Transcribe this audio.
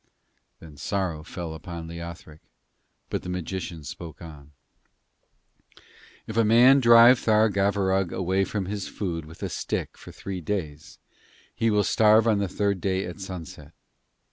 Then sorrow fell upon Leothric, but the magician spoke on: 'If a man drive Tharagavverug away from his food with a stick for three days, he will starve on the third day at sunset.